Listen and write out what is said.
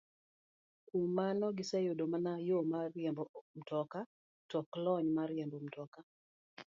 Kuom mano, giseyudo mana yo mar riembo mtoka, to ok lony mar riembo mtoka.